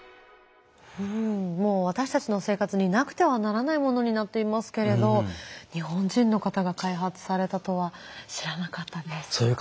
もう私たちの生活になくてはならないものになっていますけれど日本人の方が開発されたとは知らなかったです。